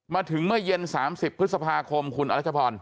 มาถึงเมื่อเย็น๓๐พฤษภาคมคุณอรัชพร